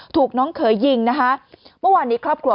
ถูกน้องเขยยิงนะคะเมื่อวานนี้ครอบครัว